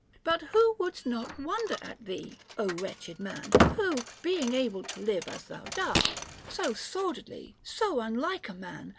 But who would not wonder at thee, Ο wretched man, who, being able to live as thou dost, — so sordidly, so unlike a man, OF THE LOVE OF WEALTH.